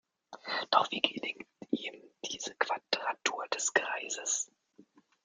Doch wie gelingt ihm diese Quadratur des Kreises?